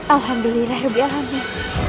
alhamdulillah rupiah amin